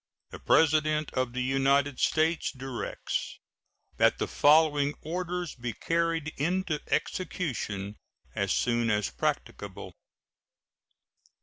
The President of the United States directs that the following orders be carried into execution as soon as practicable: 1.